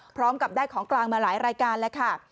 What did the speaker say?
พร้อมกับได้ของกลางมาหลายรายการแล้วค่ะ